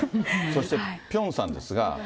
そしてピョンさんですが。